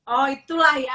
oh itulah ya